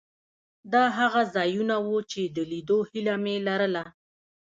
دا هغه ځایونه وو چې د لیدو هیله مې لرله.